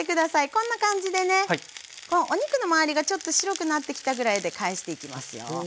こんな感じでねお肉の周りがちょっと白くなってきたぐらいで返していきますよ。